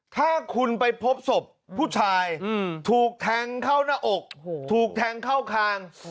ถ้าคุณไปพบศพผู้ชายถูกแทงเข้าหน้าอกถูกแทงเข้าคาง